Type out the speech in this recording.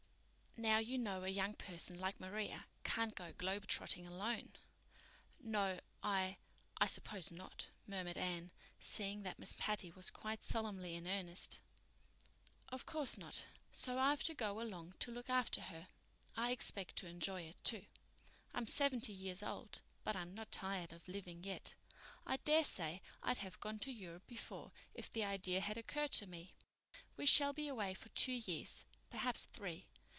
Now, you know a young person like Maria can't go globetrotting alone." "No—I—I suppose not," murmured Anne, seeing that Miss Patty was quite solemnly in earnest. "Of course not. So I have to go along to look after her. I expect to enjoy it, too; I'm seventy years old, but I'm not tired of living yet. I daresay I'd have gone to Europe before if the idea had occurred to me. We shall be away for two years, perhaps three.